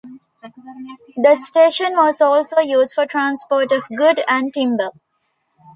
The station was also used for transport of good and timber.